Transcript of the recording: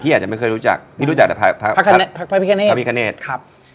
พี่อาจจะไม่เคยรู้จักพี่รู้จักแต่พระพระพระพิกเนสพระพิกเนสครับ